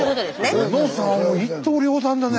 小野さんは一刀両断だね。